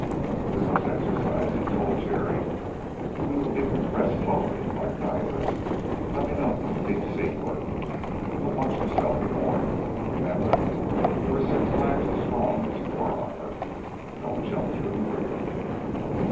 "We must exercise," he told Jerry. "We will decompress slowly, like divers coming up from deep sea work. But watch yourself," he warned. "Remember you are six times as strong as you were on the earth. Don't jump through the roof."